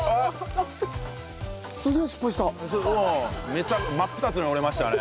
めっちゃ真っ二つに折れましたね。